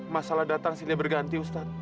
masalah datang sini berganti ustadz